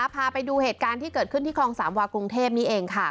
พาไปดูเหตุการณ์ที่เกิดขึ้นที่คลองสามวากรุงเทพนี้เองค่ะ